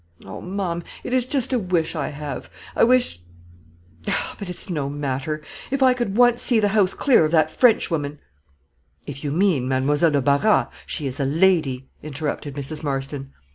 "Oh! Ma'am, it is just a wish I have. I wish ; but it's no matter. If I could once see the house clear of that Frenchwoman " "If you mean Mademoiselle de Barras, she is a lady," interrupted Mrs. Marston.